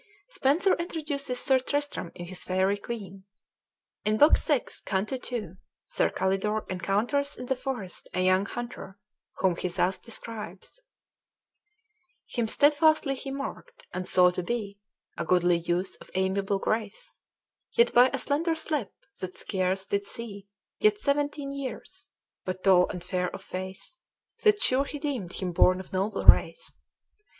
Spenser introduces Sir Tristram in his "Faery Queene." In Book VI., Canto ii., Sir Calidore encounters in the forest a young hunter, whom he thus describes: "Him steadfastly he marked, and saw to be A goodly youth of amiable grace, Yet but a slender slip, that scarce did see Yet seventeen yeares; but tall and faire of face, That sure he deemed him borne of noble race.